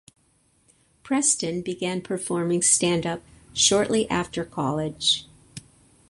Preston began performing standup shortly after college.